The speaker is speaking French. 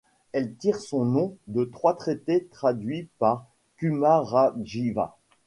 Elle tire son nom de trois traités traduits par Kumarajiva.